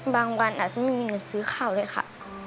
บางวันอ่ะฉันไม่มีเงินซื้อข่าวเลยค่ะ